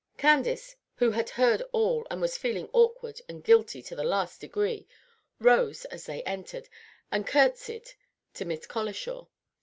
Candace, who had heard all, and was feeling awkward and guilty to the last degree, rose as they entered, and courtesied to Miss Colishaw.